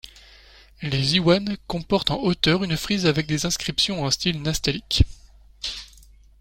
Les iwans comportent en hauteur une frise avec des inscriptions en style nastaliq.